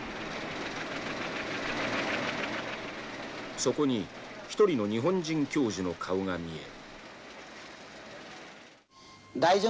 そこに１人の日本人教授の顔が見える。